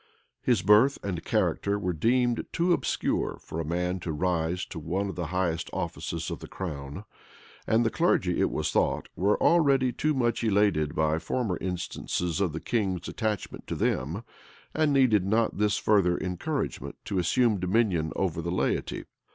His birth and character were deemed too obscure for a man raised to one of the highest offices of the crown. And the clergy, it was thought, were already too much elated by former instances of the king's attachment to them, and needed not this further encouragement to assume dominion over the laity.